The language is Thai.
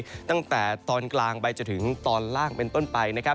ตั้งแต่ตอนกลางไปจนถึงตอนล่างเป็นต้นไปนะครับ